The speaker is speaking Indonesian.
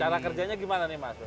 cara kerjanya gimana nih mas